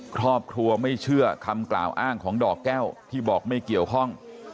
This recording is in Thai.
ครอบครัวไม่เชื่อคำกล่าวอ้างของดอกแก้วที่บอกไม่เกี่ยวข้อง